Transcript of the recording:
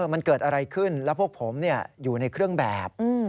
มันเกิดอะไรขึ้นแล้วพวกผมอยู่ในเครื่องแบบ